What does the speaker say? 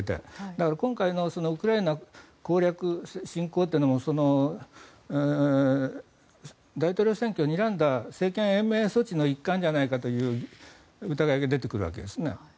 だから今回のウクライナ侵攻も大統領選挙をにらんだ政権延命措置の一環じゃないかという疑いが出てくるわけですね。